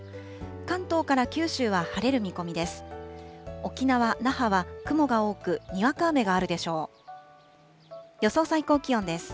関東から九州は晴れる見込みです。